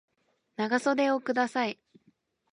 長袖をください